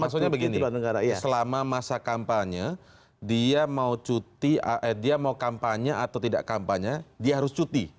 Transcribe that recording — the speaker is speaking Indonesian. maksudnya begini selama masa kampanye dia mau cuti dia mau kampanye atau tidak kampanye dia harus cuti